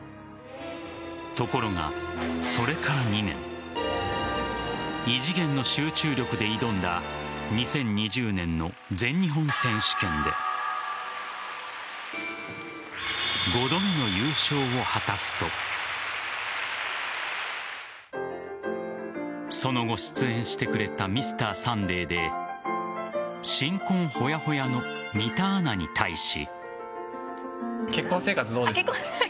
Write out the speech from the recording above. ところが、それから２年異次元の集中力で挑んだ２０２０年の全日本選手権で５度目の優勝を果たすとその後、出演してくれたＭｒ．サンデーで新婚ほやほやの三田アナに対し。